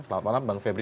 selamat malam bang febri